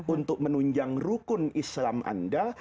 untuk menunjang rukun islam anda